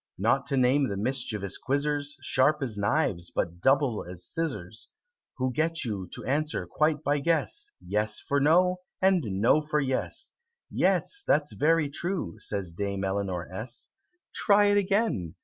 Not to name the mischievous quizzers, Sharp as knives, but double as scissors, Who get you to answer quite by guess Yes for No, and No for Yes." ("That's very true," says Dame Eleanor S.) "Try it again!